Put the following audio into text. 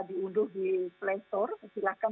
diunduh di playstore silakan